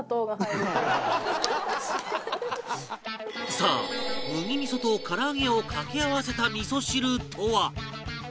さあ麦味噌とからあげを掛け合わせた味噌汁とは？